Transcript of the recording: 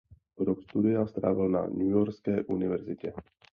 Rok studia strávil na Newyorské univerzitě.